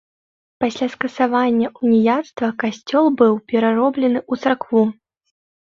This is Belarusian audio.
Пасля скасавання уніяцтва касцёл быў перароблены ў царкву.